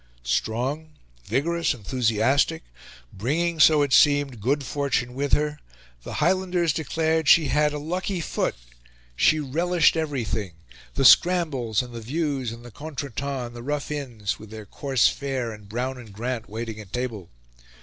Strong, vigorous, enthusiastic, bringing, so it seemed, good fortune with her the Highlanders declared she had "a lucky foot" she relished everything the scrambles and the views and the contretemps and the rough inns with their coarse fare and Brown and Grant waiting at table.